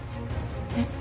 えっ？